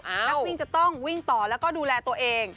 นักวิ่งจะต้องวิ่งต่อแล้วก็ดูแลตัวเอง